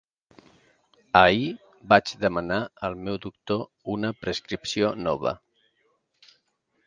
Ahir, vaig demanar al meu doctor una prescripció nova.